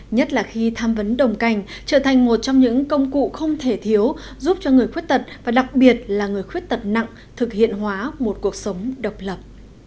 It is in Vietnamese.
nhất là khi tham vấn đồng cảnh trở thành một trong những công cụ không thể thiếu giúp cho người khuyết tật và đặc biệt là người khuyết tật nặng thực hiện hóa một cuộc sống độc lập